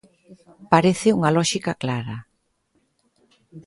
Parece unha lóxica clara.